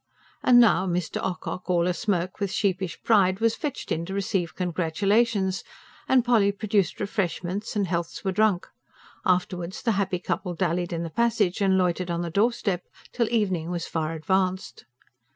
And now Mr. Ocock, all a smirk with sheepish pride, was fetched in to receive congratulations, and Polly produced refreshments; and healths were drunk. Afterwards the happy couple dallied in the passage and loitered on the doorstep, till evening was far advanced.